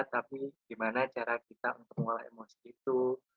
tapi gimana cara kita untuk mengolah emosi itu